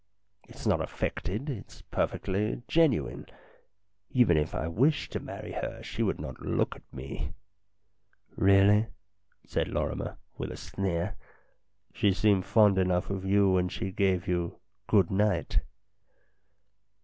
It's not affected, it's perfectly genuine. Even if I wished to marry her, she would not look at me." " Really ?" said Lorrimer, with a sneer. " She seemed fond enough of you when she said good night."